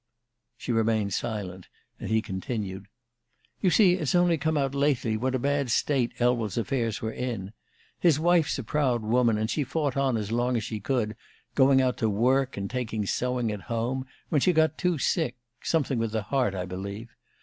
She remained silent, and he continued: "You see, it's only come out lately what a bad state Elwell's affairs were in. His wife's a proud woman, and she fought on as long as she could, going out to work, and taking sewing at home, when she got too sick something with the heart, I believe.